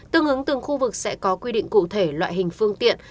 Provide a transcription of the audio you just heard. tương ứng từng khu vực sẽ có quy định cụ thể loại hình phương tiện